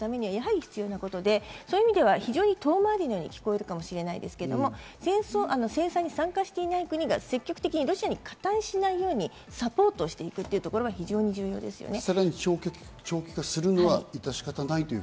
それによって戦争を続けさせないためには必要なことで、そういう意味では遠回りにも聞こえるかもしれませんが、制裁に参加してない国が積極的にロシアに加担しないようにサポートしていくというところは非常に重要ですよね。